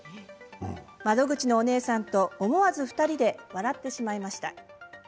窓口のお姉さんと思わず２人で笑ってしまいました。